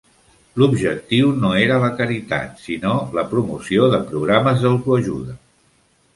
L'objectiu no era la caritat, sinó la promoció de programes d'autoajuda.